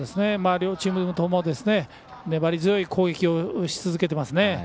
両チームとも粘り強い攻撃をし続けていますね。